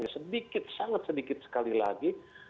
sedikit sangat sedikit sekali lagi